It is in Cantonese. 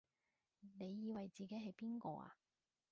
你以為自己係邊個啊？